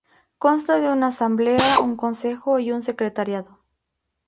Consta de una asamblea, un consejo y un secretariado.